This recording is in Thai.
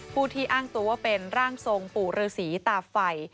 ผู้ที่อ้างตัวว่าเป็นร่างทรงปู่ฤษีตาไฟ